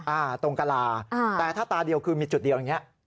ตรงกะลาแต่ถ้าตาเดียวคือมีจุดเดียวอย่างนี้